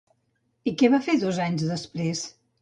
I què va fer dos anys després?